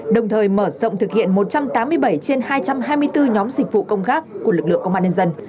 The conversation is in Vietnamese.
đồng thời mở rộng thực hiện một trăm tám mươi bảy trên hai trăm hai mươi bốn nhóm dịch vụ công khác của lực lượng công an nhân dân